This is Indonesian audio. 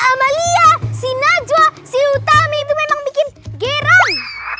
si amalia si najwa si utami itu memang bikin geram